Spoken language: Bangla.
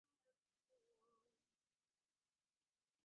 চকলেট ভালো লাগে তোর?